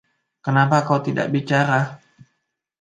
Kenapa kau tidak bicara?